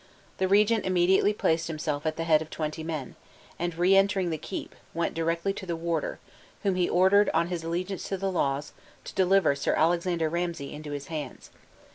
The regent immediately placed himself at the head of twenty men, and, re entering the keep, went directly to the warder, whom he ordered, on his allegiance to the laws, to deliver Sir Alexander Ramsay into his hands.